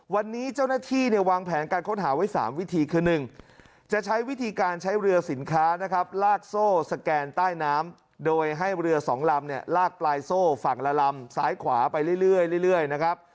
วันนี้เจ้าหน้าที่เนี่ยวางแผนการค้นหาไว้๓วิธีคือ๑จะใช้วิธีการใช้เรือสินค้านะครับลากโซ่สแกนใต้น้ำโดยให้เรือสองลำเนี่ยลากปลายโซ่ฝั่งละลำซ้ายขวาไปเรื่อยนะครับ